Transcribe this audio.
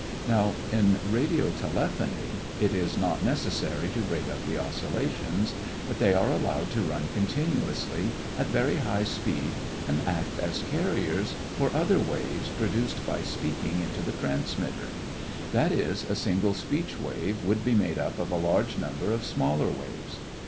Now in radiotelephony it is not necessary to break up the oscillations, but they are allowed to run continuously at very high speed and act as carriers for other waves produced by speaking into the transmitter; that is, a single speech wave would be made up of a large number of smaller waves.